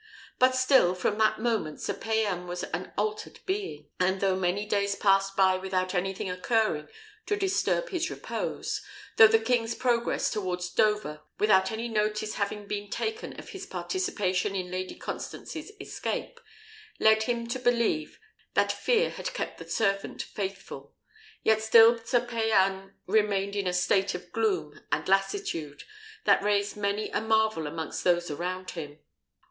But still, from that moment Sir Payan was an altered being; and though many days passed by without anything occurring to disturb his repose; though the king's progress towards Dover, without any notice having been taken of his participation in Lady Constance's escape, led him to believe that fear had kept the servant faithful; yet still Sir Payan remained in a state of gloom and lassitude, that raised many a marvel amongst those around him.